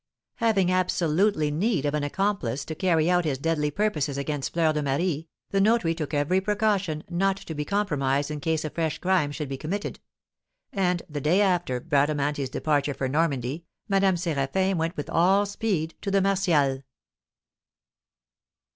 Having absolutely need of an accomplice to carry out his deadly purposes against Fleur de Marie, the notary took every precaution not to be compromised in case a fresh crime should be committed; and, the day after Bradamanti's departure for Normandy, Madame Séraphin went with all speed to the Martials.